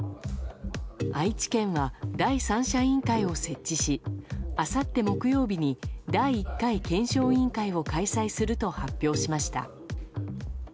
愛知県は、第三者委員会を設置しあさって木曜日に第１回検証委員会を開催すると発表しました。